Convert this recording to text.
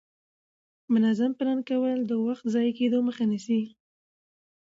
منظم پلان کول د وخت ضایع کېدو مخه نیسي